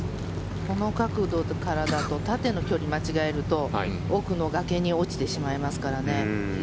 この角度からだと縦の距離を間違えると奥の崖に落ちてしまいますからね。